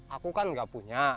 aku kan gak punya